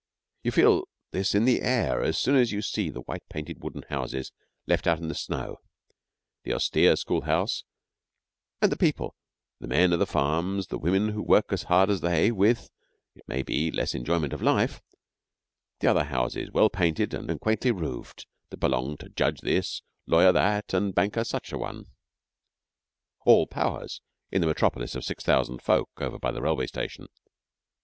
You feel this in the air as soon as you see the white painted wooden houses left out in the snow, the austere schoolhouse, and the people the men of the farms, the women who work as hard as they with, it may be, less enjoyment of life the other houses, well painted and quaintly roofed, that belong to Judge This, Lawyer That, and Banker Such an one; all powers in the metropolis of six thousand folk over by the railway station.